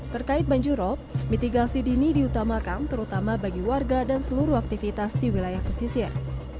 terkait banjirop mitigasi dini diutamakan terutama bagi warga dan seluruh aktivitas di wilayah pesisir